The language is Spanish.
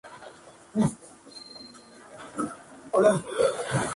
Yohannes ha recibido varios avisos por comportamiento inapropiado.